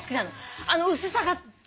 あの薄さが。